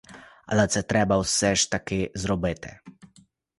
Але це треба все ж таки зробити.